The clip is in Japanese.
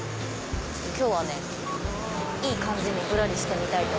今日はねいい感じにぶらりしてみたいと思います。